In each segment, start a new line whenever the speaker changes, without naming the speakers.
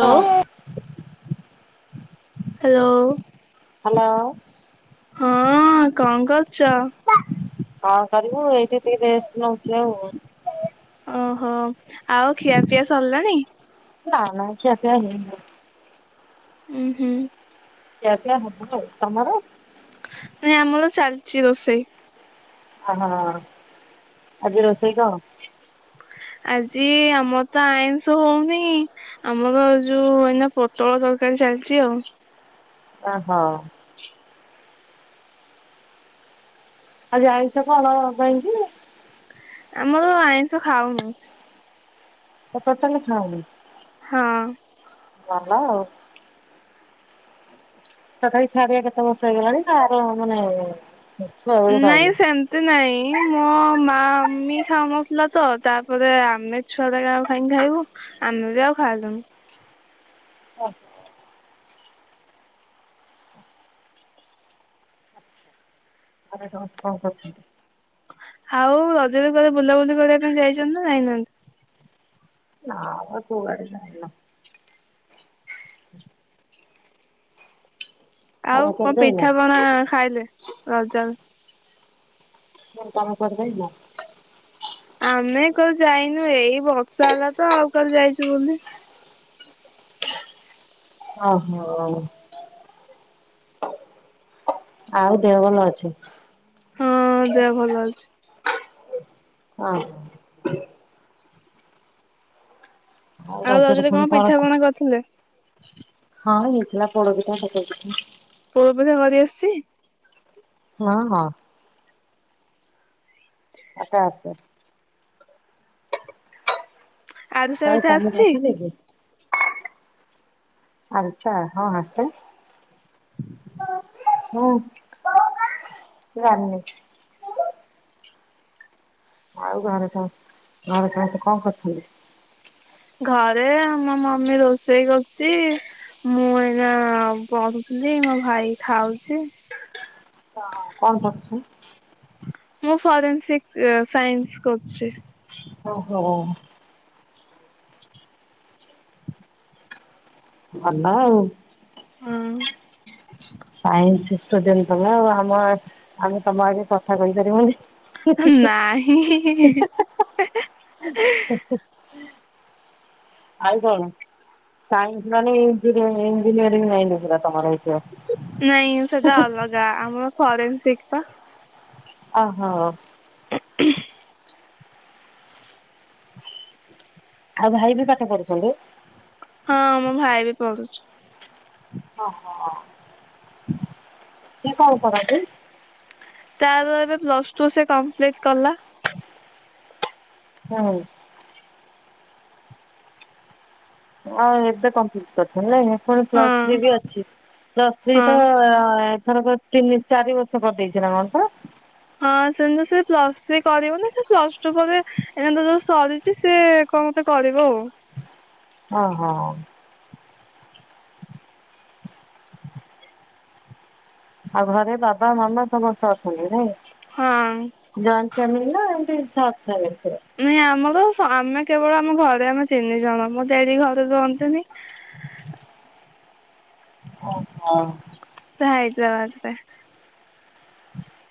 ହ
hello
hello
ଚା
କଣ କରିବୁ ଏଇଠି ଟିକେ ନଉଥିଲେ ଆଉ
ଓହୋ ଆଉ ଖିଆ ପିଆ ସରିଲାଣି
ନା ନା ସେଆ ପ
ହୁଁ ହୁଁ
କେ କ ହବ ତମର
ନାଇଁ ଆମଳ ଚାଲଛି ତସଇ
ଅ ହୋ ଆଜି ରୋଷେଇ କ
ଆଜି ଆମର ତ ଆଇନଷ ହଉନି ଆମର ଯୋଉ ଏଇନା ପୋଟଳ ତରକାରୀ ଚାଲିଛି ଆଉ
ଓ ହୋ ଆଉ ଯାାଇଛ କଣ କାହିଁକି
ଆମର ଆଇଁଷ ଖାଉନୁ
ପ ଟୋଟ ଲ ଖାଣନ୍ତି
ହଁ
ଭଲ ତତ ବି ଛାଡିଆ କେତ ବସେଇ ଗଲାଣି ଖାର ମାନେ ଛୁଆ ବେଳୁ
ନାଇଁ
ଖାଉନ?
ସେମତି ନାଇଁ ମୋ ମା ମମି ଖାଉନଥିଲା ତ ତାପରେ ଆମେ ଛୁଆ ଟାଉ ଖାଇକି ଖାଇବୁ ଆମେ ବି ଆଉ ଖାଉ ଚାଲୁ
ହ ଆରେ ସମସ୍ତେ କଣ କରୁଛନ୍ତି
ଆଉ ରଜରେ କରେ ବୁଲାବୁଲି କରିବା ପାଇଁ ଯାଇଛନ୍ତି ନା ନାଇଁନାହାନ୍ତି
ନ ଆ ପବାରେ ସାଇନ [inaudible]
ଆଉ
ତମେ କୁଆଡେ
କଣ
ଯାଇନ?
ପିଠାପଣା ଖାଇଲେ ରଜରେ?
କ କାମ କରଦାଇ ନା
ଆମେ କାଲି ଯାଇନୁ ଏଇ ବର୍ଷା ହେଲା ତ ଆଉ କାଲି ଯାଇଛୁ ବୋଲି
ଓ ହୋ। ଆଉ ଦେହ ଭଲ ଅଛି?
ହଁ ଦେ ଭଲ ଅଛି।
ହଁ। ଆଉ ରାଜାର
ରଜରେ
କଣ କଣ?
ପିଠା ପଣା କରିଥିଲେ?
[inaudible] ହଁ ନାଁ ପୋଡା ପିଠା କରିଦେବି।
ପପଜା କରି ଆସିଛି
ହଁ ହଁ ଆତେ ଆସ
ଆଜି ସେ
କାଇଁ
ଏଠ
ତମକୁ
ଆସିଛି?
ଆସେନି ଆଛା ହଁ ଆସେ। ହୁଁ। [inaudible] ଆଉ ଗାଁରେ ସାଙ୍ଗ ଗାରେ ସାଙ୍ଗ ତ କଣ କରିୁଛନ୍ତି?
ଘରେ ଆମ ମମି ରୋଷେଇ କରୁଛି ମୁଁ ଏ ନା ବ ଦେଇ ମୋ ଭାଇ ଖାଉଛି
ହ କଣ କରୁଛ?
ମୁଁ ଫରେନ୍ସିକ ସାଇନ୍ସ କରୁଛି।
ଓହୋ। ଭଲ ଆଉ।
ହୁଁ। [inaudible]
ସାଇନ୍ସ ଷ୍ଟୁଡେଣ୍ଟ ତମେ ଆଉ ଆମ ଆମେ ତମ ଆଗେ କଥା କହିପାରିବୁନି।
ନାହିଁ।
[inaudible] ଆଉ କଣ ସାଇନ୍ସ ମାନେଇ ଇଞ୍ଜିନିୟରିଂ [unintelligible] ପୁରା ତମର ହେଇଥିବ।
ନାଇଁ ସେଟା ଅଲଗା ଆମର ଫରେନସିକ୍ ପା।
ଓ ହୋ।
[inaudible]
ଆଉ ଭାଇ ବି ପାଠ ପଢୁଛନ୍ତି?
ହଁ ମୋ ଭାଇ ବି ପଢୁଛି।
ଓ ହୋ [inaudible] ସେ କଣ କରନ୍ତି।
ତା ଏବେ ପ୍ଲସ ଟୁ ସେ କମ୍ପ୍ଲିଟି କଲା।
ହୁଁ। ହଁ ଏବେ କମ୍ପ୍ଲିଟ୍ କରିଛି ନାଇଁ। ଫୁଣି
ହଁ
ପ୍ଲସ୍ ଥ୍ରୀ ବି ଅଛି ପ୍ଲସ୍ ଥ୍ରୀ ତ
ହଁ।
ଏଥରକ ତିନି ଚାରି ବର୍ଷ କରିଦେଇଛି ନା କଣ ପା।
ହଁ ସେମିତି ସେ ପ୍ଲସ ଥ୍ରୀ କରିବ ନା ସେ ପ୍ଲସ ଟୁ ପରେ ଏନା ଯୋଉ ସରିଛି ସେ। ହୋଉ ମତେ କରିବ ଆଉ।
ଓ ହୋଉ। ଆଉ ଘରେ ବାବା ମାମା ସମସ୍ତେ ଅ ଛନ୍ତି
ହଁ।
ନାଇଁ ଜଏଣ୍ଟ ଫ୍ୟାମିଲି ନା ଏମତି ସଟ ଫ୍ୟାମିଲି? ପୁରା?
ନାଇଁ ଆମର ଆମେ କେବଳ ଆମ ଘରେ ଆମେ ତିନି ଜଣ ମୋ ଜେଜୀ ଘରେ ରୁହଁନ୍ତି ନି। [inaudible]
ଓ ହ।
ହାଇଦ୍ରାବାଦ ରେ।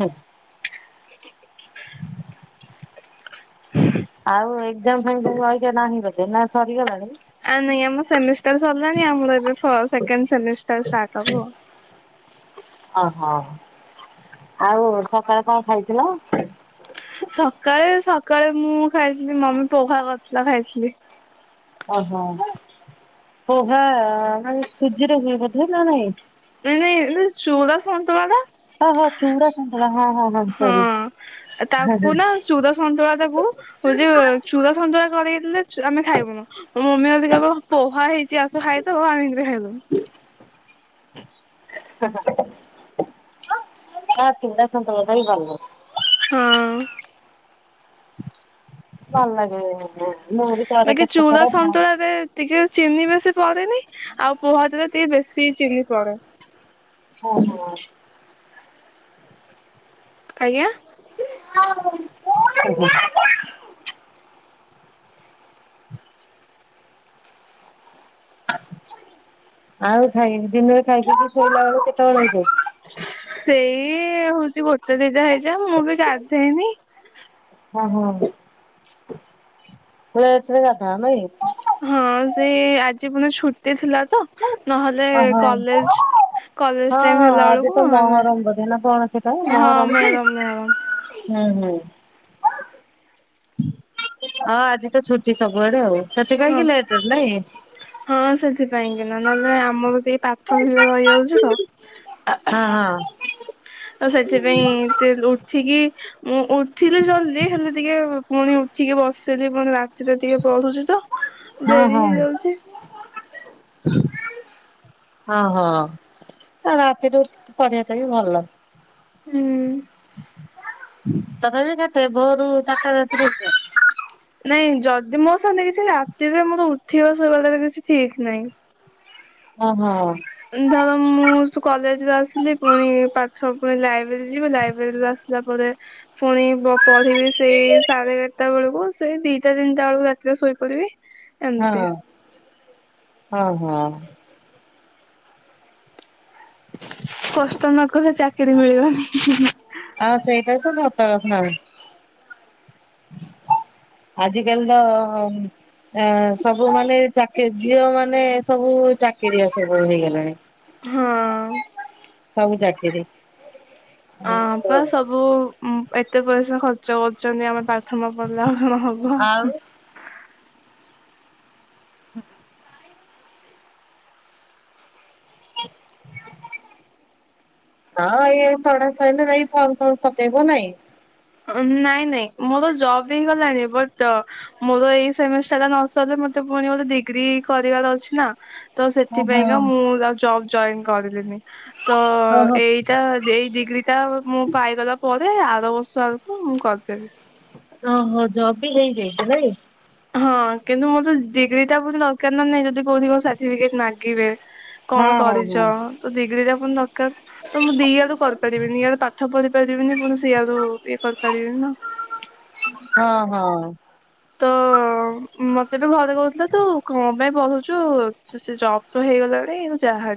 ହୁଁ।
[inaudible]
[inaudible] ଆଉ ଏଜାମ [unintelligible] ନାହିଁ। [unintelligible] ସରିଗଲାଣି
ଆ ନାଇ ଆମ ସମେ। ସାରିଲାଣି ଆମର ଏବେ ସେକେଣ୍ଡ ସେମିଷ୍ଟାର୍ ଷ୍ଟାର୍ଟ ହବ।
ଓହୋ ଆଉ ସକାଳେ କଣ ଖାଇଥିଲ?
ସକାଳେ ସକାଳେ ମୁଁ ଖାଇଥିଲି ମମି ପୋହା କରିଥିଲା ଖାଇଥିଲି।
ଓହୋ ପୋହା ସୁଝିରେ ବୋଧେ ନା ନାଇଁ।
ନାଇଁ ଚୁଡା ସନ୍ତୁଳା ଟା।
ହ ହୋ ଚୁଡା ସନ୍ତଳା ହଁ ହଁ ହଁ ସରି।
ହଁ ତାକୁ ନା ଚୁଡା ସନ୍ତୁଳା ତାକୁ ହୋଉଛି ଚୁଡା ସନ୍ତୁଳା। ଘରେ ହେଥିଲେଲେ ଆମେ ଖାଇବୁନୁ ମୋ ମମି ଯଦି କହିବ ପୋହା ହେଇଛି ଆସ ଖାଇ ତ ଆମେ ଏମିତିରେ ଖାଇଦୋବୁ। [unintelligible] [inaudible]
ହଁ ଚୁଡା ସନ୍ତୁଳା ଟା ବି ଭଲ।
ହଁ।
ଭଲ ଲାଗେ ମୁଁ ବି କରେ
ବାକି ଚୁଡା
କେତେଥର ଖାଏ।
ସନ୍ତୁଳା ରେ ଟିକେ ଚିନି ବେଶୀ। ବେସି ପଡନି ଆଉ [unintelligible] ପୁହା ତରେ ଟିକେ ବେଶୀ ଚିହ୍ନି ପଡ଼େ
ଓ ହୋ।
ଆଜ୍ଞା।
[inaudible] ଆଉ ଖାଇକି ଦିନରେ ଖାଇକିି ଶୋଇଲା ବେଳକୁ କେତେବେଳେ ହେଇଯାଏ।
ସେଇ ହଉଛି ଗୋଟେ ଦିଇଟା ହେଇଯାଏ ମୁଁ ବି ଗାଧେଇନି।
ହୁଁ ହୁଁ, ପୁଇ ଆଉଥରେ ଗାଧାଅ ନାଇକି।
ହଁ ସେ ଆଜି ପୁଣି ଛୁଟି ଥିଲା ତ ନହେଲେ
ଓହୋ।
କଲେଜ କଲେଜ
ହଁ
ଟାଇମ
ହଁ
ହେଲା
ଆଜି
ବେଳକୁ
ତ
ଆମେ
ମହରମ ବୋଧେ ନା କଣ ସେଟା
ହଁ
ମହରମ କି
ମ୍ୟାଡ଼ାମ ମ୍ୟାଡ଼ାମ
ହୁଁ ହୁଁ, ହଁ ଆଜି ତ ଛୁଟି ସବୁଆଡେ ଆଉ ସେଠ
ହଁ
କାଇଁକି ଲେଟ ନାଇକି
କଁ ନହେଲେ ଆମର ଟ ପାଥ ଭିଜ ରହିଯାଉଛି ତ
ହଁ ହଁ,
ତ ସେଥିପାଇଁ ଏତେ ଉଠିକି ମୁଁ ଉଠିଲି ଜଲ୍ଦି ହେଲେ ଟିକେ ପୁଣି ଉଠିକି ବସିଲି ପୁଣି ରାତିରେ ଟିକେ ପଢ଼ୁଛିତ ଡେରି ହେଇଯାଉଛି।
ହ [inaudible] ଓହୋ ରାତିରୁ ପରଢିବା ଟା ବି ଭଲ
ହୁଁ,
ତଥାପି କେତେ ଭୋରୁ ତାରଟା ରାତିରୁ ଉଠେ।
ନାଇଁ ଯଦି ମୋ ସାଙ୍ଗେ କିଛି ରାତିରେ ମୋତେ ଉଠିବ ଶୋଇବାଳ କିଛି ଠିକ ନାହିଁ।
ହ ହଁ,
ଧର ମୁଁ, ତୁ କଲେଜରେ ଆସିଲି ପୁଣି ପାଠ ପୁଣି ଲାଇବ୍ରେରୀ ଯିବି ଲାଇବ୍ରେରୀରୁୁ ଆସିଲା ପରେ ପୁଣି ପଢିବି ସେଇ ସାଢେ ଏାରଟା ବେଳକୁ ସେଇ ଦିଟା ତିନିଟା ବେଳକୁ ରାତିରେ ଶୋଇପଡ଼ିବି।
ହଁ ହଁ ହଁ,
କଷ୍ଟ ନ କଲେ ଚାକିରି ମିଳିବନି।
ହଁ ହଁ, ଆଜିିକାଲି ତ ଏ ସବୁ ମାନେ ଚାକି ଝିଅ ମାନେ ସବୁ ଚାକିରିଆ ସବୁ ହେଇଗଲାଣି
ହୁଁ ଉଁ
ସବୁ ଚାକିରି
ଅ ବା ସବୁ ଏତେ ପଇସା ଖର୍ଚ୍ଚ କରୁଛନ୍ତି ଆମେ ପ୍ରଥମ ପିଲା ନ ହବ
ଆଉ ହୁଁ। ଆ [inaudible] ହଁ ଏଇ ଥଡ ସରିଲେ ଯାଇଁ ଫର୍ମ ଫର୍ମ ପକେଇବ ନାଇଁ
ନାଇଁ ନାଇଁ ମୋର ଜବ୍ ହେଇଗଲା ବ ମୋର ଏଇ ସେମିଷ୍ଟାର ଟା ନ ସରିଲେ, ମତେ ପୁଣି ଗୋଟେ ଡିଗ୍ରୀ କରିବାର ଅଛି ନା ତ
ଓହୋ
ସେଥିପାଇଁକା ମୁଁ ଜବ ଜଏନ୍ କରିଲିନି ତ
ଓହୋ
ଏଇଟା ଏଇ ଡିଗ୍ରୀ ଟା ମୁଁ ପାଇଗଲା ପରେ ଆର ବର୍ଷ ମୁଁ କରିଦେବି।
ଓହୋ ଜବ ବି ହେଇଯାଇଥିଲା ନାଇଁ
ହଁ କିନ୍ତୁ ମୋ ତ ଡିଗ୍ରୀ ଟା ବ ଦରକାର ନା ନାହିଁ, ଯଦି କୋଉଠି ମୋ ସାର୍ଟିଫିକେଟ ମାଗିବେ କଣ
ହଁ ହଁ
କରିଛ ତ ଡିଗ୍ରୀରେ ପୁଣି ଦରକାର ତ, ମୁଁ ଦିଇଆଡୁ କରିପାରିବି ନିଆଡ ପାଠ ପଢ଼ିବି କରିବିନି, ପୁଣି ସେଆରୁ ଇଏ କରିପାରିବିନି ନା
ହଁ ହଁ।
ତ ମତେ ବି ଘରେ କହୁଥିଲେ, ତୁ କଣ ପାଇଁ ପଢୁଛୁ ସେ ଜବ ତ ହେଇଗଲାଣି ଯାହା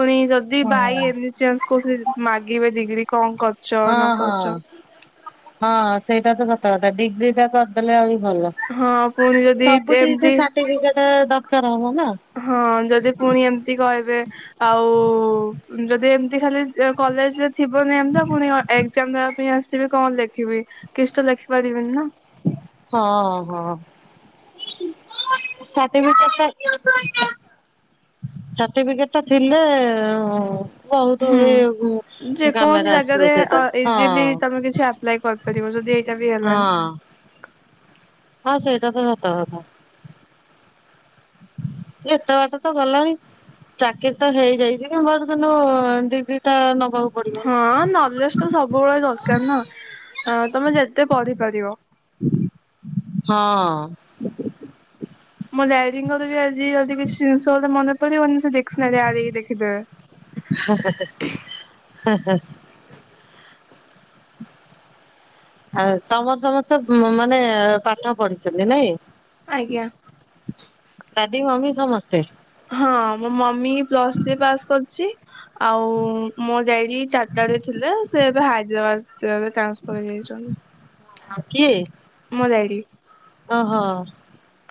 ପୁଣି ଯଦି
ହଁ ହଁ
ଭାଇ
ହଁ
ଏନି ଚାନ୍ସ କ ମାଗିବେ ଡିଗ୍ରୀ କଣ କରୁଛ ନ
ହଁ ହଁ
କରୁଛ
ହଁ ସେଇଟା ତ ସତ କଥା ଡିଗ୍ରୀ ଟା କରିଦେଲେ ଆଉ ଭଲ
ହଁ ପୁଣି ଯଦି
ସବୁଠି ସେ
ଏମିତି
ସାଠି ଫିକେଟ୍ ଦରକାର। ହବ ନା
ହଁ ଯଦି ପୁଣି ଏମିତି କହିବେ। ଆଉ ଯଦି ଏମିତି ଖାଲି କଲେଜରେ ଥିବନି ଏମିତି ପୁଣି ଏଗ୍ଜାମ। ପାଇଁ ଆସିବେ କଣ ଲେଖିବି କିଛି ଲେଖି ପାରିବିନି ନା।
ହଁ ହଁ। ସାଠି ଟିକେଟ୍ ଟା [unintelligible] ସାର୍ଟିଫିକେଟ ଟା ଥିଲେ। ବହୁତ
ହୁଁ
ଏ
ଯେ କୌଣସି
କାମରେ ଆସିବ
ଜାଗାରେ
ସେଇଟା
ଆ
ହଁ
ଇଜିଲି ତମେ କିଛି ଆପ୍ଲାଏ କରି। ପାରିବ ଯଦି। ଏଇଟା ବି ହେଲାନି
ହଁ ହଁ ସେ ଏଇଟା ତ ସତକଥା। ଏତ ବାଟ ତ ଗଲାଣି। ଚାକିରି ତ ହେଇଯାଇଛି କି ମର କିନ୍ତୁ ଡିଗ୍ରୀ ଟା ନବାକୁ। ପଡିବ
ହଁ
ନା।
ନଲେଜ ତ ସବୁବେଳେ ଦରକାର ନା ତମେ ଯେତେ ପଢିପାରିବ।
ହଁ। [inaudible]
ମୁଁ ଡାଡିଙ୍କର ବି ଆଜି ଯଦି କିଛି ଜିନିଷ ଗୋଟେ ମନେପଡିବନି। ସେ ଦିକ୍ସ୍କନାରି ଆଡେଇକି ଦେଖିଦେବେ।
ହେ ହେ। ଆ ତମର ସମସ୍ତେ ମାନେ ପାଠ ପଢିଛନ୍ତି ନାଇଁ।
ଆଜ୍ଞା।
ଡାଡି ମମି ସମସ୍ତେ।
ହଁ ମୋ ମମି ପ୍ଲସ୍ ଥ୍ରୀ ପାସ୍ କରିଛି। ଆଉ ମୋ ଡାଡି ଟାଟା ରେ ଥିଲେ ସେ। ହାଇଦ୍ରାବାଦ ଟ୍ରାନ୍ସଫର୍ ହେଇଯାଇଛନ୍ତି।
କିଏ।
ମୋ ଡାଡ଼ି।
ଓହୋ।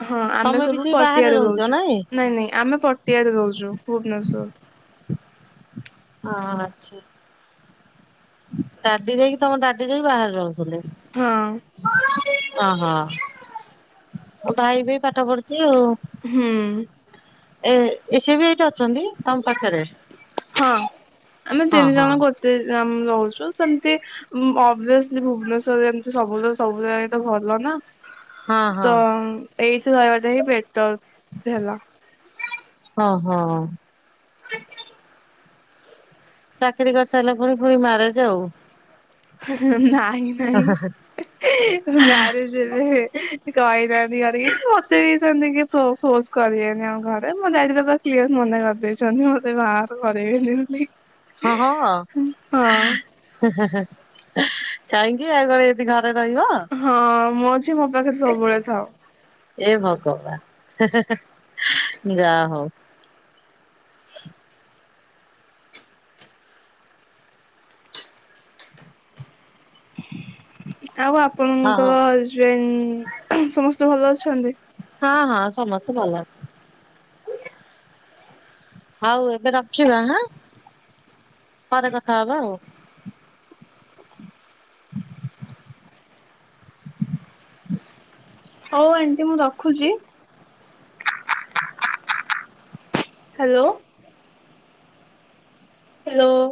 ହଁ ଆମେ
ତମେ ବି
ସବୁ
ସେଇ ବାହାରେ
ପଠିଆରେ
ରହୁଛ
ରହୁଛୁ ନାଇଁ ନାଇଁ ଆମେ ପଠିଆରେ ରହୁଛୁ ଭୁବନେଶ୍ଵର।
ହଁ ଛି ଡାଡି ଯାଇକି ତମ ଡାଡି ଯାଇକି ବାହାରେ ରହୁଛନ୍ତି।
ହଁ
[unintelligible] ଓହୋ ମୋ ଭାଇ ବି ପାଠ ପଢୁଛି ଆଉ।
ହୁଁ।
ଏ ଏସ ବି ଏଇଠି ଅଛନ୍ତି ତମ ପାଖରେ।
ହଁ ଆମେ
ହଁ
ତିନି
ହଁ
ଜଣ ଗୋଟେ ରହୁଛୁ ସେମିତି ଓଭିଅସଲି ଭୁବନେଶ୍ଵରରେ ଏମିତି ସବୁ ସବୁ ଜାଗା ଭଲ ନା।
ହଁ ହଁ।
ତ ଏଇଠି ରହିବାଟା ହିଁ ବେଟର ହେଲା।
ହଁ ହଁ। ଚାକିରି କରିସାରିଲା ପରେ ପୁଣି ମାରେଜ ଆଉ।
ନାଇଁ ନାଇଁ ମାରେଜ ଏବେ କହିନା [unintelligible] ମତେ ବି। ସେମତି କେହି ଫୋର୍ସ ଫୋର୍ସ କରିବେନି ଆମ ଘରେ, ମୋ ଡ଼ାଡ଼ି ତ ପୁରା କ୍ଲିୟର ମନା କରିଦେଇଛନ୍ତି ମତେ ବାହାଘର କର [unintelligible]
ହଁ ହଁ କାଇହିଁକି ଆଉ କଣ ଏଇଠି ଘର
ହଁ ମୋ ଝିଅ ମୋ ପାଖରେ ସବୁବେଳେ ଥାଉ।
ଏ ଭଗବାନ ଯା ହଉ। [unintelligible]
[unintelligible] ଆଉ
ହଁ ହଉ।
ଆପଣଙ୍କର ହଜବେଣ୍ଡ ସମସ୍ତେ ଭଲ ଅଛନ୍ତି?
ହଁ ହଁ ସମସ୍ତେ ଭଲ ଅଛ ହଉ ଏବେ ରଖିବା ହଁ। ପରେ କଥା ହବା ଆଉ।
[inaudible]
[unintelligible]
ହଉ ଆଣ୍ଟି ମୁଁ ରଖୁଛି। ହ୍ୟାଲୋ। ହ୍ୟାଲୋ।